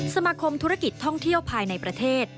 สมาคมธุรกิจท่องเที่ยวภายในประเทศ